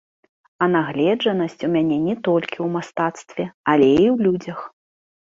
А нагледжанасць у мяне не толькі ў мастацтве, але і і ў людзях.